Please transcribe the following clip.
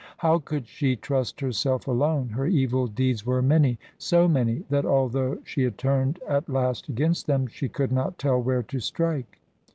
How could she trust herself alone? Her evil deeds were many so many, that, although she had turned at last against them, she could not tell where to strike.